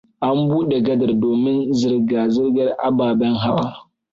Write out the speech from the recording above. An bude gadar domini zirga-zirgar ababen hawa.